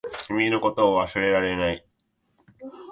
君のことを忘れられない